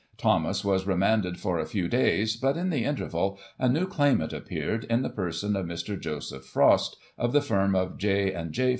Thomas was remanded for a few days, but, in the interval, a new claimant appeared, in the person of Mr. Joseph Frost, of the firm of J. and J.